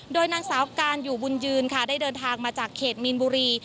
โดยนางสาวการอยู่บุญยืนค่ะได้เดินทางมาจากเขตมีนบุรี